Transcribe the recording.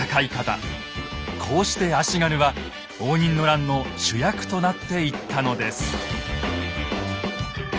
こうして足軽は応仁の乱の主役となっていったのです。